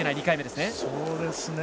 ２回目です。